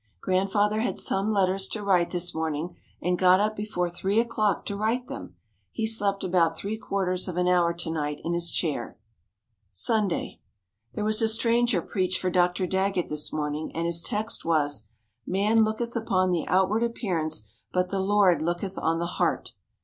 Grandfather had some letters to write this morning, and got up before three o'clock to write them! He slept about three quarters of an hour to night in his chair. Sunday. There was a stranger preached for Dr. Daggett this morning and his text was, "Man looketh upon the outward appearance but the Lord looketh on the heart."